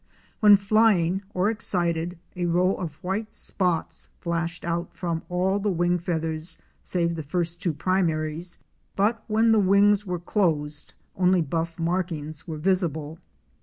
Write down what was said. When flying or excited, a row of white spots flashed out from all the wing feathers save the first two primaries, but when the wings were closed only buff markings were visible.